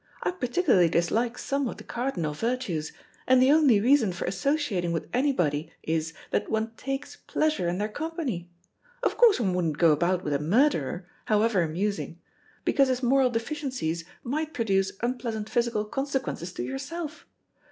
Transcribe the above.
I particularly dislike some of the cardinal virtues and the only reason for associating with anybody is that one takes pleasure in their company. Of course one wouldn't go about with a murderer, however amusing, because his moral deficiencies might produce unpleasant physical consequences to yourself.